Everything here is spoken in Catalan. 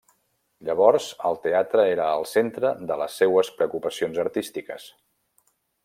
Llavors, el teatre era el centre de les seues preocupacions artístiques.